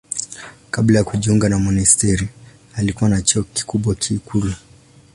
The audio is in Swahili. Kabla ya kujiunga na monasteri alikuwa na cheo kikubwa ikulu.